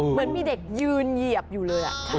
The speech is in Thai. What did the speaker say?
เหมือนมีเด็กยืนเหยียบอยู่เลย